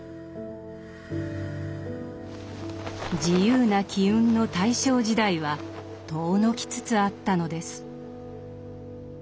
自由な機運の大正時代は遠のきつつあったのです。